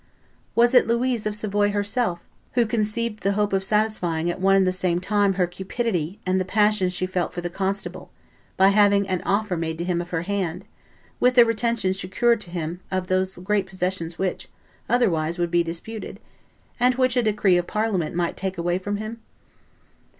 Was it Louise of Savoy herself who conceived the hope of satisfying at one and the same time her cupidity and the passion she felt for the constable, by having an offer made to him of her hand, with the retention secured to him of those great possessions which, otherwise, would be disputed, and which a decree of Parliament might take away from him?